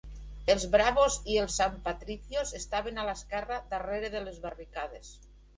Els "Bravos" i els "San Patricios" estaven a l'esquerra, darrere de les barricades.